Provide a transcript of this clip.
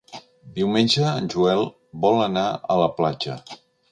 Diumenge en Joel vol anar a la platja.